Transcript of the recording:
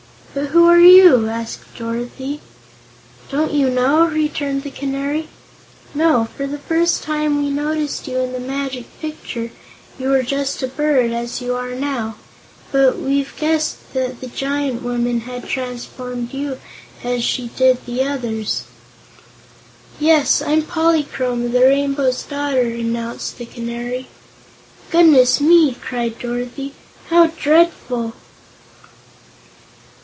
"But who are you?" asked Dorothy "Don't you know?" returned the Canary. "No; for the first time we noticed you in the Magic Picture, you were just a bird, as you are now. But we've guessed that the giant woman had transformed you, as she did the others." "Yes; I'm Polychrome, the Rainbow's Daughter," announced the Canary. "Goodness me!" cried Dorothy. "How dreadful."